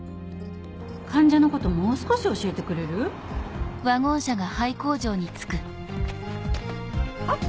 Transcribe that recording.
患者のこともう少し教えてくれる？は？